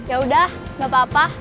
ya udah gak apa apa